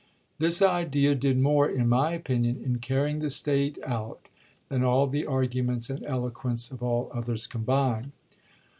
This idea did more, in my opinion, in carrying the State out, than all the argu ments and eloquence of all others combined."